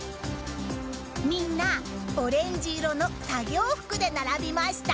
みんなオレンジ色の作業服で並びました。